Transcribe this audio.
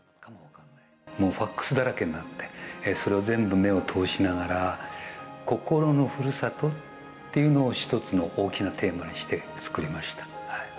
もうファックスだらけになって、それを全部目を通しながら、心のふるさとっていうのを一つの大きなテーマにして作りました。